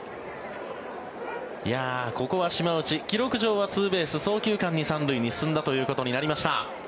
ここは島内記録上はツーベース送球間に３塁に進んだということになりました。